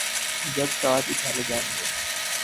جب تاج اچھالے جائیں گے۔